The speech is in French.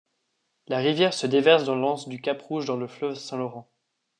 La rivière se déverse dans l'anse du Cap Rouge dans le fleuve Saint-Laurent.